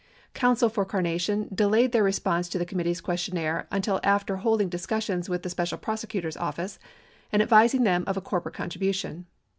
Counsel for Carnation delayed their response to the committee's questionnaire until after holding discussions with the special prosecutor's office and advising them of a corporate con tribution.